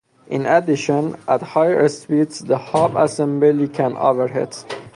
In addition, at higher speeds the hub assembly can overheat.